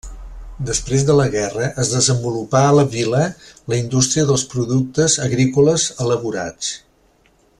Després de la guerra es desenvolupà a la vila la indústria dels productes agrícoles elaborats.